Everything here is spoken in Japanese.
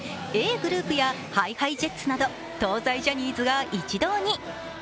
ｇｒｏｕｐやＨｉＨｉＪｅｔｓなど東西ジャニーズが一堂に。